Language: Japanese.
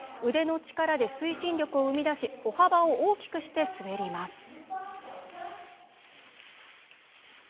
腕の力で推進力を生み出し歩幅を大きくして滑ります。